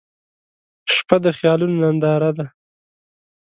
• شپه د خیالونو ننداره ده.